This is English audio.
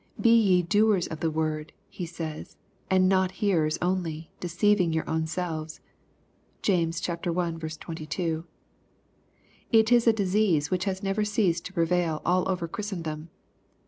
"Be ye doers of the word,^ he says, "and not hearers only, deceiving your own selves." (James i. 22.) It is a disease which has never ceased to prevail all over Chris tendom.